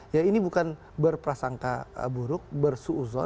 ya ini bukan berprasangka buruk bersuuzon